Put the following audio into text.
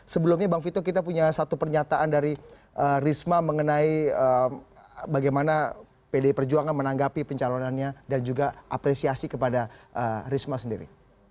sebelumnya bang vito kita punya satu pernyataan dari risma mengenai bagaimana pdi perjuangan menanggapi pencalonannya dan juga apresiasi kepada risma sendiri